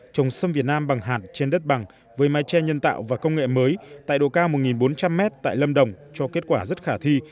trồng xâm việt nam bằng hạn trên đất bằng với mái tre nhân tạo và công nghệ mới tại độ cao một bốn trăm linh m tại lâm đồng cho kết quả rất khả thi